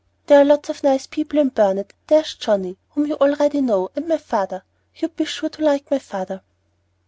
There are lots of nice people in Burnet, and there's Johnnie, whom you already know, and my father, you'd be sure to like my father."